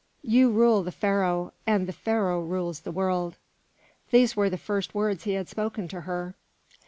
You rule the Pharaoh, and the Pharaoh rules the world." These were the first words he had spoken to her.